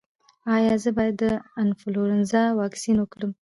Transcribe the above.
ایا زه باید د انفلونزا واکسین وکړم؟